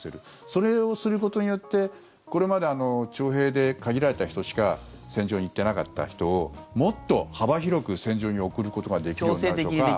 それをすることによってこれまで、徴兵で限られた人しか戦場に行っていなかった人をもっと幅広く戦場に送ることができるようになるとか。